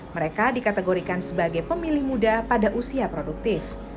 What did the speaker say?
mereka dikategorikan sebagai pemilih muda pada usia produktif